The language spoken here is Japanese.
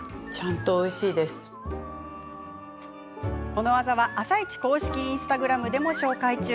この技は「あさイチ」公式インスタグラムでも紹介中。